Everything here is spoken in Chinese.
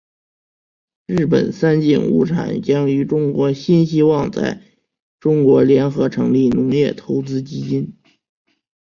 日本三井物产将与中国新希望在中国联合成立农业投资基金。